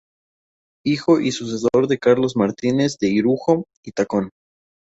Hijo y sucesor de Carlos Martínez de Irujo y Tacón.